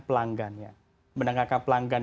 pelanggannya mendengarkan pelanggan